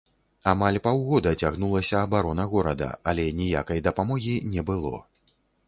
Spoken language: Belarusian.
Амаль паўгода цягнулася абарона горада, але ніякай дапамогі не было.